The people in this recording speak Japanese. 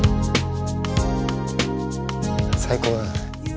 最高だね。